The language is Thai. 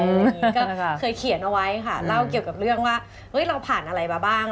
ก็เคยเขียนเอาไว้ค่ะเล่าเกี่ยวกับเรื่องว่าเราผ่านอะไรมาบ้าง